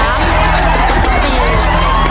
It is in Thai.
อันซ่อน